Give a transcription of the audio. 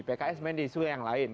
pks main di isu yang lain